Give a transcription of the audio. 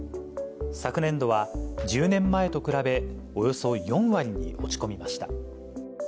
昨年度は１０年前と比べおよそ４割に落ち込みました。